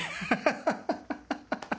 ハハハッ！